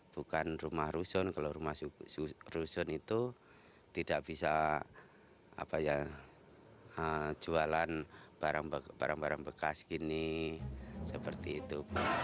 bukan rumah rusun kalau rumah rusun itu tidak bisa jualan barang barang bekas gini seperti itu